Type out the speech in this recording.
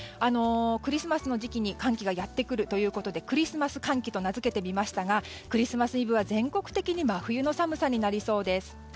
クリスマスの時期に寒気がやってくるということでクリスマス寒気と名付けてみましたがクリスマスイブは全国的に真冬の寒さになりそうです。